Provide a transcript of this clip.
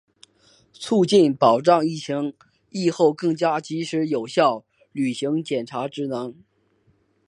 促进、保障疫期、疫后更加及时有效履行检察职能